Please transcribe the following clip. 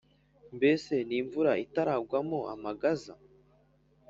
Mbese n’imvura itaragwamo amagaza